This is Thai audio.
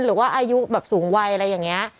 หรือว่าอายุแบบสูงวัยอะไรอย่างนี้